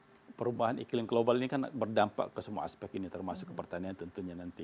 jadi perubahan iklim global ini kan berdampak ke semua aspek ini termasuk ke pertanian tentunya nanti